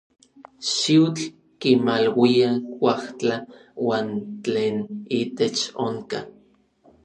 Xiutl kimaluia kuajtla uan tlen itech onka.